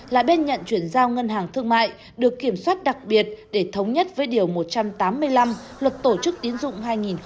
là bên nhận chuyển giao ngân hàng thương mại được kiểm soát đặc biệt để thống nhất với điều một trăm tám mươi năm luật tổ chức tiến dụng hai nghìn một mươi bốn